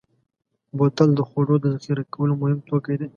بوتل د خوړو د ذخیره کولو مهم توکی دی.